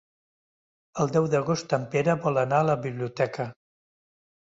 El deu d'agost en Pere vol anar a la biblioteca.